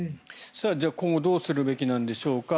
じゃあ今後どうするべきなんでしょうか。